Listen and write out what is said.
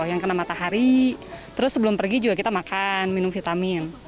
yang kena matahari terus sebelum pergi juga kita makan minum vitamin